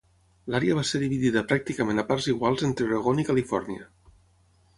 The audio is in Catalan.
L'àrea va ser dividida pràcticament a parts iguals entre Oregon i Califòrnia.